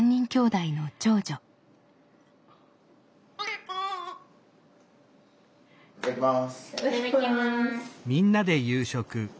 いただきます。